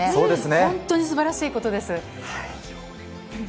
本当に素晴らしいことです。